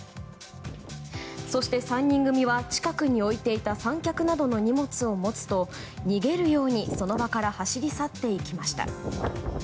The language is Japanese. そして３人組は近くに置いていた三脚などの荷物を持つと逃げるように、その場から走り去っていきました。